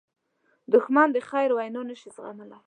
دښمن د خیر وینا نه شي زغملی